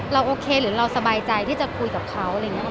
โอเคหรือเราสบายใจที่จะคุยกับเขาอะไรอย่างนี้